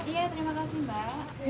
iya terima kasih mbak